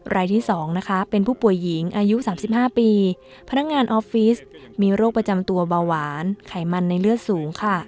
รายที่๒นะคะเป็นผู้ป่วยหญิงอายุ๓๕ปีพนักงานออฟฟิศมีโรคประจำตัวเบาหวานไขมันในเลือดสูงค่ะ